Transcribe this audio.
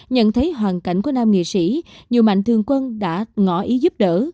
nhận thấy hoàn cảnh của nam nghệ sĩ nhiều mạnh thương quân đã ngõ ý giúp đỡ